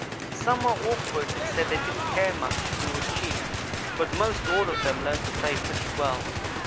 "Some were awkward and said they didn't care much who was chief, but most all of them learned to play pretty well.